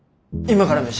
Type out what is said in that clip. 今から飯？